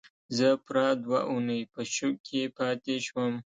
زه پوره دوه اونۍ په شوک کې پاتې شوم